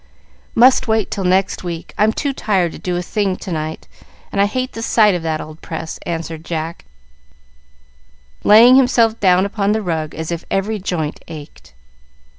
"Must wait till next week. I'm too tired to do a thing to night, and I hate the sight of that old press," answered Jack, laying himself down upon the rug as if every joint ached.